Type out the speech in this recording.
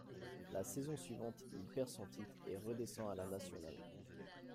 La saison suivante, il perd son titre et redescend à la nationale.